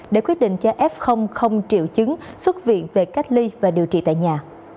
để quyết định cho f không triệu chứng xuất viện về cách ly và điều trị tại nhà